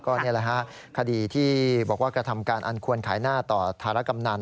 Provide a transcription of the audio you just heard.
ก็นี่แหละฮะคดีที่บอกว่ากระทำการอันควรขายหน้าต่อธารกำนัน